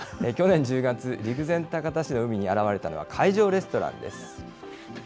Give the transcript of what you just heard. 去年１０月、陸前高田市の海に現れたのは、海上レストランです。